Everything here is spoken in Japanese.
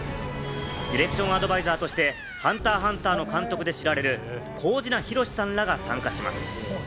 ディレクションアドバイザーとして『ＨＵＮＴＥＲ×ＨＵＮＴＥＲ』の監督で知られる神志那弘志さんらが参加します。